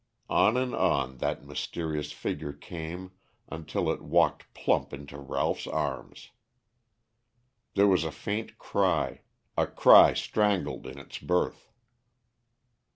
On and on that mysterious figure came until it walked plump into Ralph's arms. There was a faint cry a cry strangled in its birth.